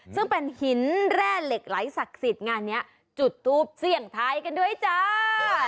ซึ่งเป็นหินแร่เหล็กไหลศักดิ์สิทธิ์งานนี้จุดทูปเสี่ยงทายกันด้วยจ้า